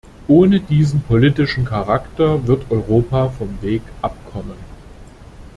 Ohne diesen politischen Charakter wird Europa vom Weg abkommen.